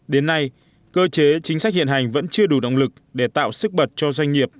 đến nay cơ chế chính sách hiện hành vẫn chưa đủ động lực để tạo sức bật cho doanh nghiệp